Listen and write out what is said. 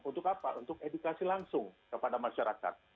untuk apa untuk edukasi langsung kepada masyarakat